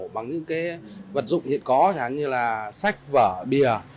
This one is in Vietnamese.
bằng những vật dụng hiện có như sách vở bìa